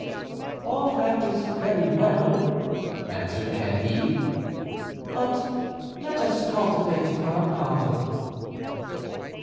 "All that is very well," answered Candide, "but let us cultivate our garden."